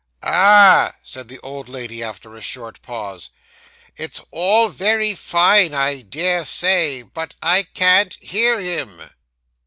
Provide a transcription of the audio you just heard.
'Ah!' said the old lady, after a short pause: 'it's all very fine, I dare say; but I can't hear him.